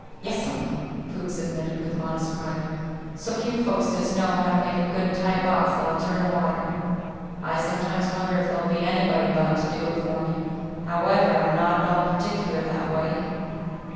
"Yes, 'm," Fuchs admitted with modest pride. "So few folks does know how to make a good tight box that'll turn water. I sometimes wonder if there'll be anybody about to do it for me. However, I'm not at all particular that way."